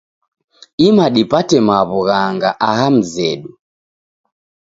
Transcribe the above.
Ima dipate mawughanga aha mzedu